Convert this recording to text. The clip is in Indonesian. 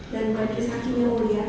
dan majelis haki yang mulia